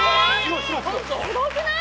すごくない？